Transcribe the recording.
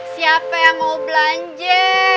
siapa yang mau belanje